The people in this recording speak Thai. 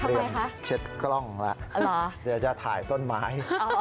ผมเตรียมเช็ดกล้องแล้วเดี๋ยวจะถ่ายต้นไม้